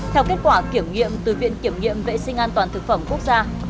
theo kết quả kiểm nghiệm từ viện kiểm nghiệm vệ sinh an toàn thực phẩm quốc gia